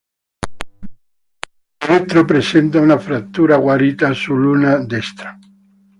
Lo scheletro presenta una frattura guarita sull'ulna destra.